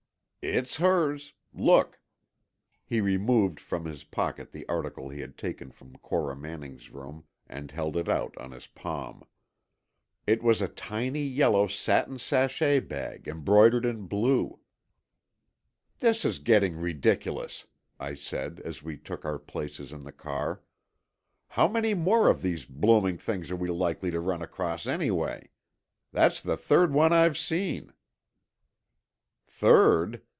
"It's hers. Look!" He removed from his pocket the article he had taken from Cora Manning's room and held it out on his palm. It was a tiny yellow satin sachet bag embroidered in blue! "This is getting ridiculous," I said, as we took our places in the car. "How many more of these blooming things are we likely to run across anyway? That's the third one I've seen." "Third?